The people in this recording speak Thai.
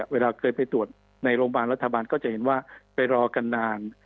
เวลาเคยไปตรวจในโรงพยาบาลรัฐบาลก็จะเห็นว่าไปรอกันนาน